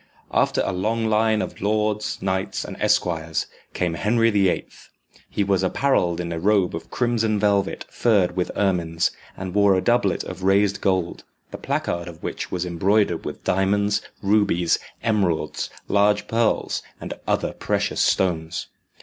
After a long line of lords, knights, and esquires, came Henry the Eighth. He was apparelled in a robe of crimson velvet furred with ermines, and wore a doublet of raised gold, the placard of which was embroidered with diamonds, rubies, emeralds, large pearls, and other precious stones.